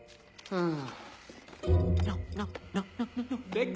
うん。